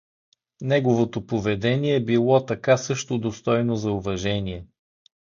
Неговото поведение било така също достойно за уважение.